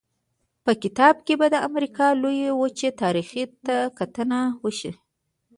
په کتاب کې به د امریکا لویې وچې تاریخ ته کتنه وشي.